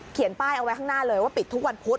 ป้ายเอาไว้ข้างหน้าเลยว่าปิดทุกวันพุธ